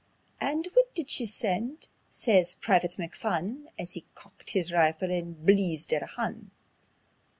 "And whit did she send ye?" says Private McPhun, As he cockit his rifle and bleezed at a Hun.